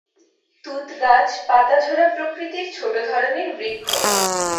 তুঁত গাছ পাতা ঝরা প্রকৃতির ছোট ধরনের বৃক্ষ।